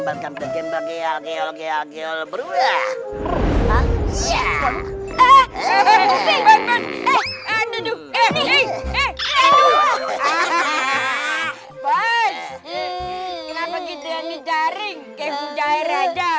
bos kenapa gitu angin jaring kayak hujan air aja